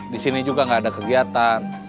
di sini juga nggak ada kegiatan